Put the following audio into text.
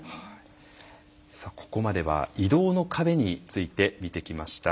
ここまでは移動の壁について見てきました。